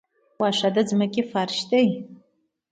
واښه د ځمکې فرش دی